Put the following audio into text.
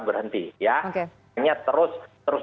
berhenti ya hanya terus